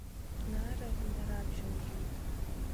Нара инарабжьалгеит.